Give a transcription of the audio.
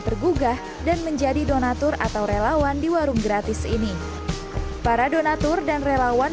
tergugah dan menjadi donatur atau relawan di warung gratis ini para donatur dan relawan